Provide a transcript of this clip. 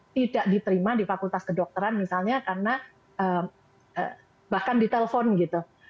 tidak diterima di fakultas kedokteran misalnya karena bahkan ditelepon gitu